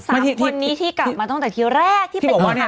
๓คนนี้ที่กลับมาตั้งแต่ทีแรกที่เป็นภาวณ์ต้นเลย